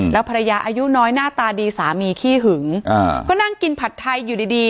แล้วภรรยาอายุน้อยหน้าตาดีสามีขี้หึงก็นั่งกินผัดไทยอยู่ดีดี